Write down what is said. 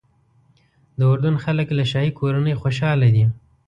د اردن خلک له شاهي کورنۍ خوشاله دي.